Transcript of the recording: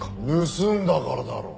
盗んだからだろ！